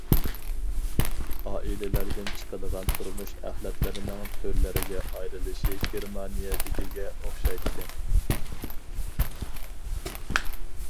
ئائىلىلەردىن چىقىدىغان تۇرمۇش ئەخلەتلىرىنىڭ تۈرلەرگە ئايرىلىشى گېرمانىيەدىكىگە ئوخشايدىكەن.